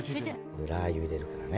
これラーユ入れるからね。